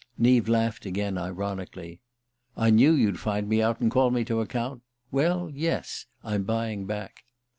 Neave laughed again, ironically. "I knew you'd find me out and call me to account. Well, yes: I'm buying back."